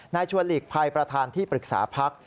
นายชัวร์หลีกภัยประธานที่ปรึกษาพักษ์